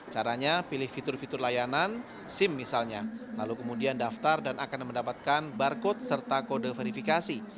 caranya pilih fitur fitur layanan sim misalnya lalu kemudian daftar dan akan mendapatkan barcode serta kode verifikasi